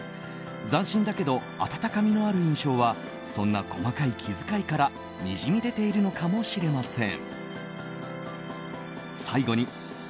斬新だけど温かみのある印象はそんな細かい気遣いからにじみ出ているのかもしれません。